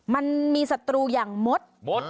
มันมีศัตรูอย่างมด